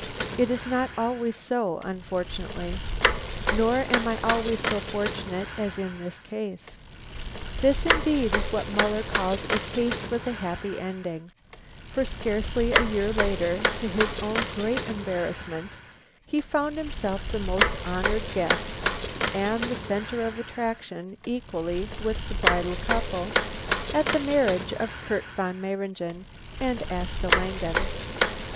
It is not always so, unfortunately nor am I always so fortunate as in this case." This indeed is what Muller calls a "case with a happy ending," for scarcely a year later, to his own great embarrassment, he found himself the most honoured guest, and a centre of attraction equally with the bridal couple, at the marriage of Kurt von Mayringen and Asta Langen.